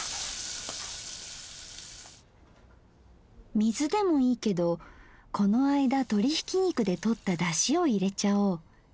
水でもいいけどこの間鶏ひき肉でとっただしを入れちゃおう。